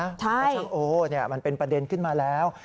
เพราะช่างโอมันเป็นประเด็นขึ้นมาแล้ว